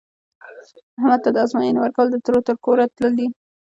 احمد ته د ازموینې ورکول، د ترور تر کوره تلل دي.